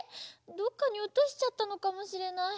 どっかにおとしちゃったのかもしれない。